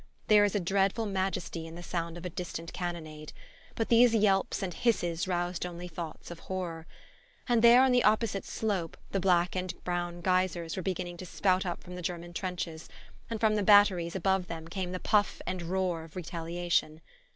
There is a dreadful majesty in the sound of a distant cannonade; but these yelps and hisses roused only thoughts of horror. And there, on the opposite slope, the black and brown geysers were beginning to spout up from the German trenches; and from the batteries above them came the puff and roar of retaliation.